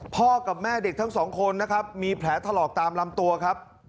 พ่อกับแม่เด็กทั้งสองคนนะครับมีแผลถลอกตามลำตัวครับ